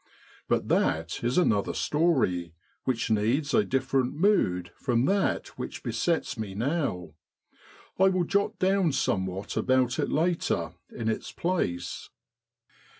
But that is another story, which needs a different mood from that which besets me now. I will jot down somewhat about it later in its place.